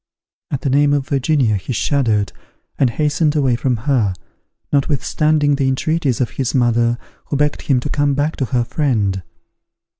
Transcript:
At the name of Virginia he shuddered, and hastened away from her, notwithstanding the entreaties of his mother, who begged him to come back to her friend.